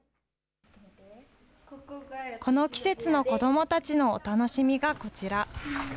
この季節の子どもたちのお楽しみがこちら。